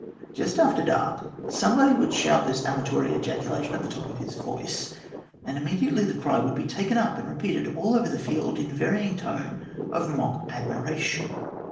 Just after dark somebody would shout this amatory ejacula tion at the top of his voice, and immediately the cry would be taken up and repeated all over the field in every varying tone of mock admiration.